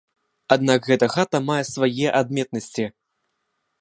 Аднак гэта хата мае свае адметнасці.